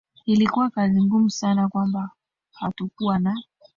ilikuwa kazi ngumu sana kwamba hatukuwa na